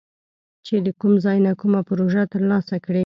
چې د کوم ځای نه کومه پروژه تر لاسه کړي